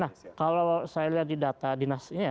nah kalau saya lihat di data dinas ini ya